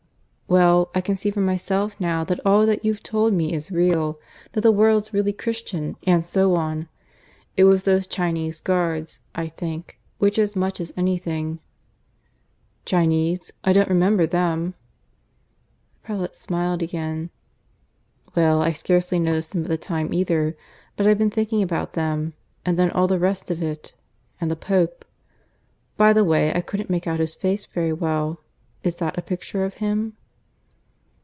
"Well, I can see for myself now that all that you've told me is real that the world's really Christian, and so on. It was those Chinese guards, I think, which as much as anything " "Chinese? ... I don't remember them." The prelate smiled again. "Well, I scarcely noticed them at the time, either. But I've been thinking about them. And then all the rest of it ... and the Pope. ... By the way, I couldn't make out his face very well. Is that a picture of him?"